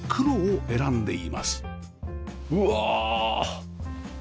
うわ！